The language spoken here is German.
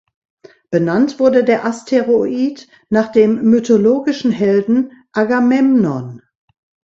Benannt wurde der Asteroid nach dem mythologischen Helden Agamemnon.